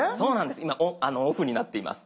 今オフになっています。